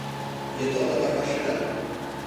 Je to ale barva šedá.